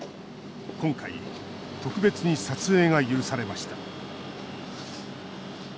今回、特別に撮影が許されました。